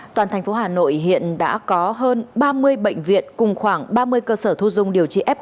toàn thành phố hà nội hiện đã có hơn ba mươi bệnh viện cùng khoảng ba mươi cơ sở thu dung điều trị f một